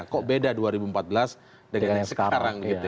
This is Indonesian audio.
kok beda dua ribu empat belas dengan sekarang